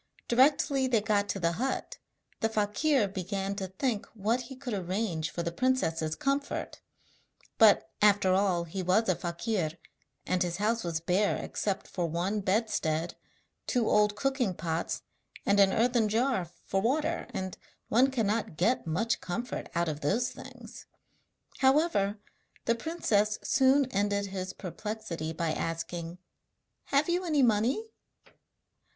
Directly they got to the hut the fakir began to think what he could arrange for the princess's comfort; but after all he was a fakir, and his house was bare except for one bedstead, two old cooking pots and an earthen jar for water, and one cannot get much comfort out of those things. However, the princess soon ended his perplexity by asking: 'Have you any money?'